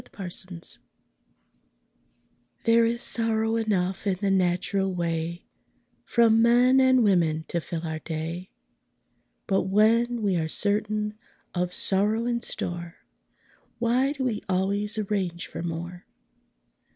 THE POWER OF THE DOG There is sorrow enough in the natural way From men and women to fill our day; But when we are certain of sorrow in store, Why do we always arrange for more?